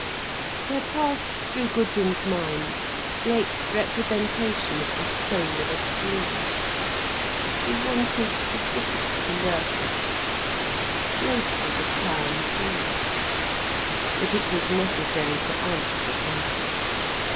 There passed through Gudrun's mind Blake's representation of the soul of a flea. She wanted to fit it to Loerke. Blake was a clown too. But it was necessary to answer Gerald.